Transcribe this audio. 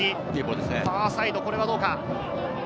ファーサイド、これはどうか？